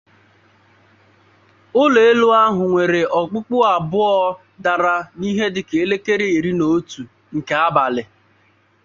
ụlọ elu ahụ nwere òkpùkpù abụọ dàrà n'ihe dịka elekere iri na otu nke abalị